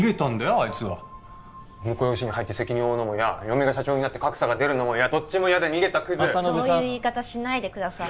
あいつは婿養子に入って責任負うのも嫌嫁が社長になって格差が出るのも嫌どっちも嫌で逃げたクズそういう言い方しないでください